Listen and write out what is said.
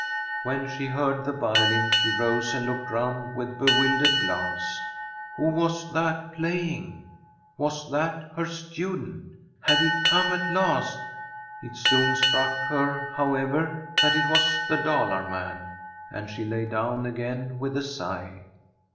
When she heard the violin, she rose and looked round with bewildered glance. Who was that playing? Was that her student? Had he come at last ? It soon struck her, however, that it was the Dalar man, and she lay down again with a sigh.